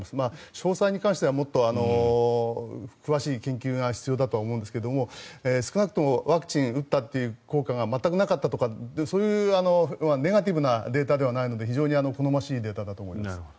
詳細に関してはもっと詳しい研究が必要だと思うんですが少なくともワクチンを打ったという効果が全くなかったとかそういうネガティブなデータではないので非常に好ましいデータだと思います。